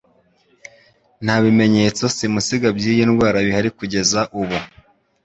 Nta bimeyetso simusiga by'iyi ndwara bihari kugeeza ubu.